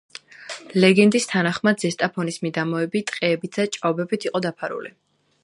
ლეგენდის თანახმად ზესტაფონის მიდამოები ტყეებითა და ჭაობებით იყო დაფარული.